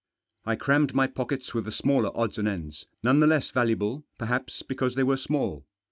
I crammed my pockets with the smaller odds and ends, none the less valuable, perhaps, because they were small.